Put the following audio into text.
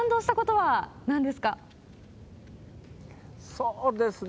そうですよね。